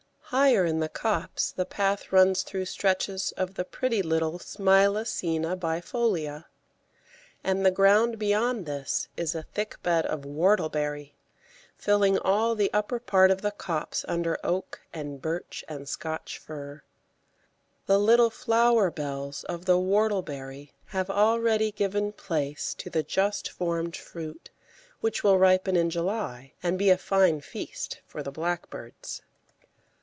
Higher in the copse the path runs through stretches of the pretty little Smilacina bifolia, and the ground beyond this is a thick bed of Whortleberry, filling all the upper part of the copse under oak and birch and Scotch fir. The little flower bells of the Whortleberry have already given place to the just formed fruit, which will ripen in July, and be a fine feast for the blackbirds.